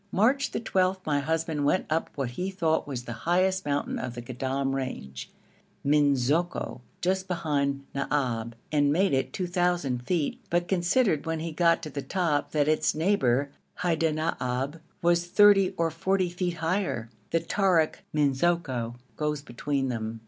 March the 12th my husband went up what he thought was the highest mountain of the Goddam range, Minzoko, just behind Naab, and made it 2,000 feet, but considered when he got to the top that its neighbour Haidenaab was 300 or 400 feet higher. The Tarik Minzoko goes between them.